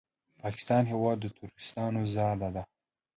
پاکستان هېواد د تروریستانو ځاله ده!